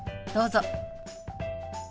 どうぞ。